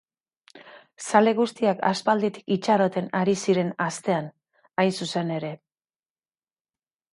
Zale guztiak aspalditik itxaroten ari ziren astean, hain zuzen ere.